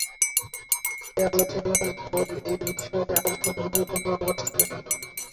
এ আলোচনার পর এ বিষয়ে আর সন্দেহের কোন অবকাশ থাকে না।